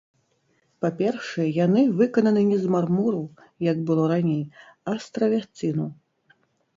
Па-першае, яны выкананы не з мармуру, як было раней, а з траверціну.